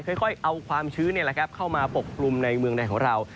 ค่อยเอาความชื้นเนี่ยแหละครับเข้ามาปกปรุมในเมืองในของเรา